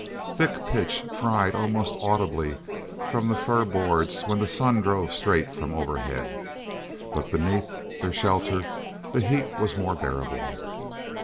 Thick pitch fried almost audibly from the fir boards when the sun drove straight from overhead, but beneath their shelter the heat was more bearable.